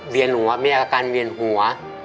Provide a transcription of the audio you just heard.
เวียนหัวมีอาการเวียนหัว